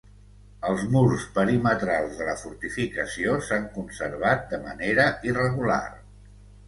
Els murs perimetrals de la fortificació s'han conservat de manera irregular.